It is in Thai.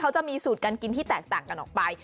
เขาจะมีสูตรการกินที่แตกต่างกันออกไป